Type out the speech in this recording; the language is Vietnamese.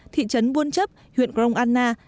thị trấn buôn chấp huyện grong anna